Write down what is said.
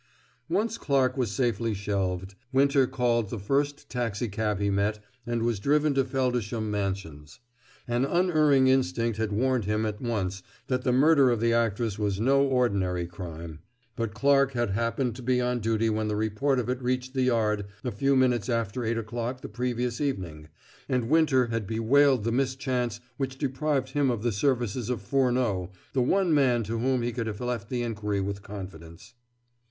Once Clarke was safely shelved, Winter called the first taxicab he met and was driven to Feldisham Mansions. An unerring instinct had warned him at once that the murder of the actress was no ordinary crime; but Clarke had happened to be on duty when the report of it reached the Yard a few minutes after eight o'clock the previous evening, and Winter had bewailed the mischance which deprived him of the services of Furneaux, the one man to whom he could have left the inquiry with confidence.